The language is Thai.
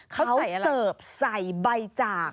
เขาเสิร์ฟใส่ใบจาก